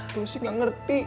lo sih gak ngerti